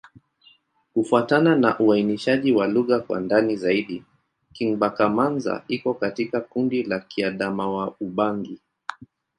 Kufuatana na uainishaji wa lugha kwa ndani zaidi, Kingbaka-Manza iko katika kundi la Kiadamawa-Ubangi.